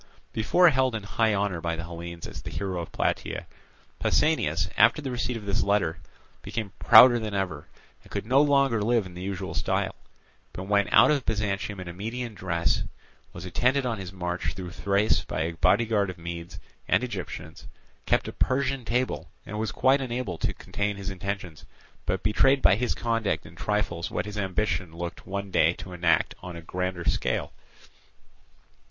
Before held in high honour by the Hellenes as the hero of Plataea, Pausanias, after the receipt of this letter, became prouder than ever, and could no longer live in the usual style, but went out of Byzantium in a Median dress, was attended on his march through Thrace by a bodyguard of Medes and Egyptians, kept a Persian table, and was quite unable to contain his intentions, but betrayed by his conduct in trifles what his ambition looked one day to enact on a grander scale.